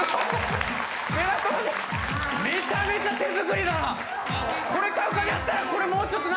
めちゃめちゃ手作りだな。